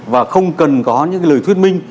và không cần có những lời thuyết minh